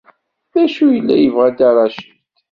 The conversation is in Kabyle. D acu i yella yebɣa Dda Racid?